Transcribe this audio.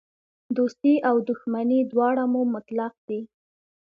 دوستي او دښمني دواړه مو مطلق دي.